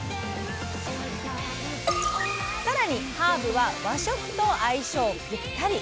さらにハーブは和食と相性ぴったり！